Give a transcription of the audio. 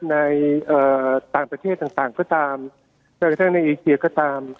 ในต่างประเทศต่างก็ตามจนกระทั่งในเอเชียก็ตาม